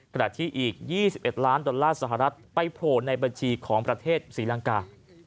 ขณะที่อีก๒๑ล้านดอลลาร์สหรัฐไปโผล่ในบัญชีของประเทศศรีลังกา